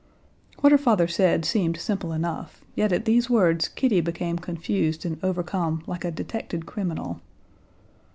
What her father said seemed simple enough, yet at these words Kitty became confused and overcome like a detected criminal.